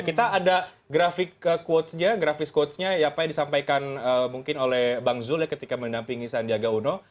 kita ada grafik quotes nya grafik quotes nya apa yang disampaikan mungkin oleh bang zul ketika menampingi sandiaga uno